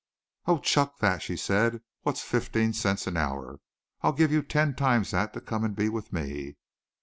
"Oh, chuck that," she said. "What's fifteen cents an hour? I'll give you ten times that to come and be with me."